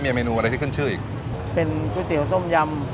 มีเมนูอะไรที่ขึ้นชื่ออีกเป็นก๋วยเตี๋ยวต้มยำ